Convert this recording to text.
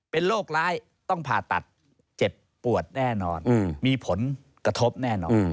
เป็นโรคร้ายต้องผ่าตัดเจ็บปวดแน่นอนมีผลกระทบแน่นอน